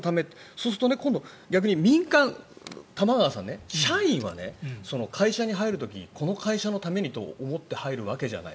そうすると今度、民間玉川さん、社員は会社に入る時にこの会社のためにと思って入るわけじゃない。